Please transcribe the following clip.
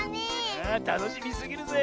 ああたのしみすぎるぜ。